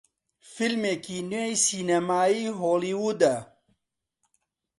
فیلمێکی نوێی سینەمای هۆلیوودە